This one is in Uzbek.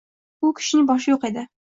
U kishining boshi yo‘q edi.